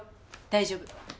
大丈夫。